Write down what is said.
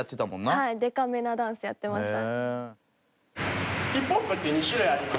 はいでかめなダンスやってました。